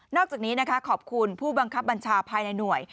อกจากนี้นะคะขอบคุณผู้บังคับบัญชาภายในหน่วย